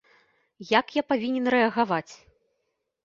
Як я павінен рэагаваць?